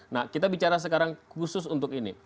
nah kita bicara sekarang khusus untuk ini